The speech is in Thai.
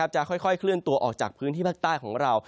จะค่อยเคลื่อนตัวออกจากพื้นที่ภาคใต้ของเรา